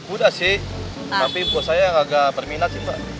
udah sih tapi buat saya agak berminat sih mbak